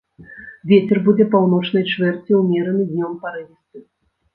Вецер будзе паўночнай чвэрці ўмераны, днём парывісты.